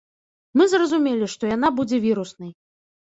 Мы зразумелі, што яна будзе віруснай.